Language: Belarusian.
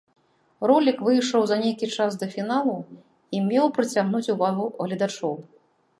Ролік выйшаў за нейкі час да фіналу і меў прыцягнуць увагу гледачоў.